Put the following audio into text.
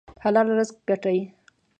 حلال رزق ګټئ